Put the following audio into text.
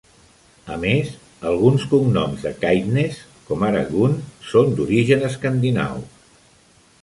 A més, alguns cognoms de Caithness, com ara Gunn, són d'origen escandinau.